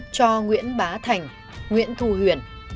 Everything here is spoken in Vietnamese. cho nguyễn bá thành nguyễn thù huyền